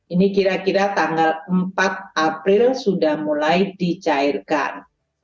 ini kira kira tanggal empat april sudah mulai dicairkan